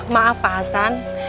maaf pak hasan